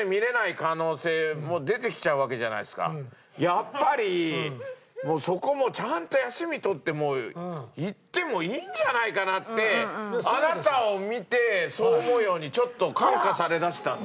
やっぱりそこもちゃんと休み取って行ってもいいんじゃないかなってあなたを見てそう思うようにちょっと感化されだしたんです。